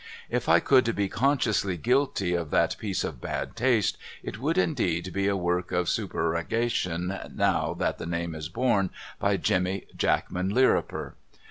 If I could be consciously guilty of that piece of bad taste, it would indeed be a work of supererogation, now that, the name is borne by Jemmy Jackman Lirriper.